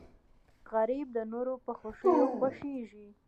غریب د نورو په خوښیو خوښېږي